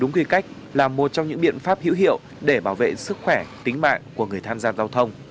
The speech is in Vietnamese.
đúng quy cách là một trong những biện pháp hữu hiệu để bảo vệ sức khỏe tính mạng của người tham gia giao thông